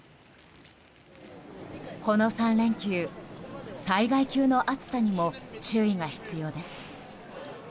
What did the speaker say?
この３連休、災害級の暑さにも注意が必要です。